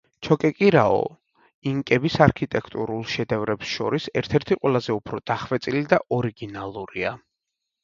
ჩოკეკირაო, ინკების არქიტექტურულ შედევრებს შორის ერთ-ერთი ყველაზე უფრო დახვეწილი და ორიგინალურია.